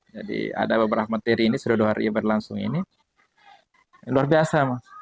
jadi ada beberapa materi ini sudah dua hari berlangsung ini luar biasa